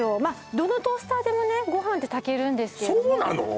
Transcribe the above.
どのトースターでもねご飯って炊けるんですけれどもそうなの？